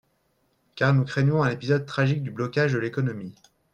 Car nous craignons un épisode tragique du blocage de l’économie.